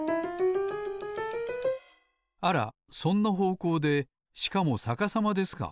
あらそんなほうこうでしかもさかさまですか。